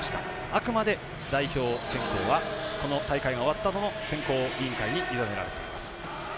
あくまで代表選考はこの大会が終わったあとの選考委員会にゆだねられています。